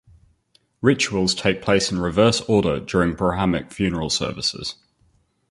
Rituals take place in reverse order during Brahminic funeral services.